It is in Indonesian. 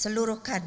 seluruh kader partai